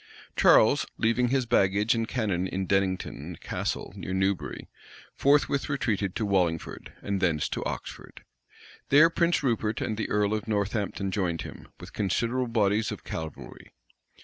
Charles, leaving his baggage and cannon in Dennington Castle, near Newbury, forthwith retreated to Wallingford, and thence to Oxford. There Prince Rupert and the earl of Northampton joined him, with considerable bodies of cavalry.